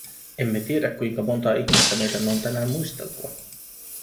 Emme tiedä, kuinka montaa ihmistä meidän on tänään muisteltava.